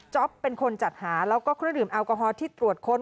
เป็นคนจัดหาแล้วก็เครื่องดื่มแอลกอฮอล์ที่ตรวจค้น